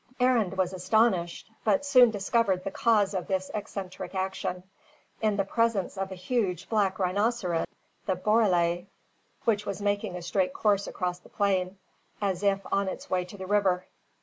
Arend was astonished, but soon discovered the cause of this eccentric action, in the presence of a huge black rhinoceros, the borele which was making a straight course across the plain, as if on its way to the river.